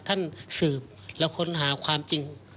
ท่านสืบแล้วค้นหาความจริง